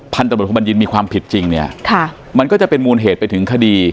ตำรวจคุณบัญญินมีความผิดจริงเนี่ยค่ะมันก็จะเป็นมูลเหตุไปถึงคดี